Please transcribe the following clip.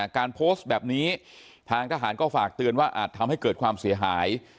การโพสต์แบบนี้ทางทหารก็ฝากเตือนว่าอาจทำให้เกิดความเสียหาย